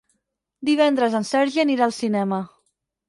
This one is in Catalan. Divendres en Sergi anirà al cinema.